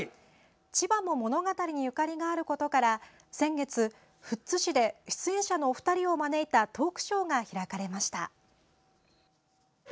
千葉も物語にゆかりがあることから先月、富津市で出演者のお二人を招いたトークショーが開かれました。